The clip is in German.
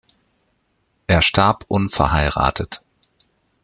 Er starb unverheiratet.